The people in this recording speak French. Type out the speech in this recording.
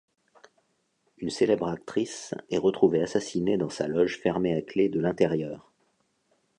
Une célèbre actrice est retrouvée assassinée dans sa loge fermée à clé de l'intérieur.